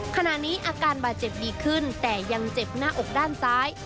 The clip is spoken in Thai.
ขณะนี้อาการบาดเจ็บดีขึ้นแต่ยังเจ็บหน้าอกด้านซ้าย